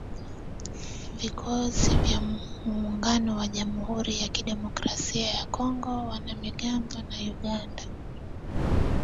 Vikosi vya Muungano wa jamuhuri ya Kidemokrasia ya Kongo wana mgambo na Uganda